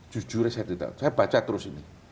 jujur saya tidak saya baca terus ini